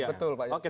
betul pak yasin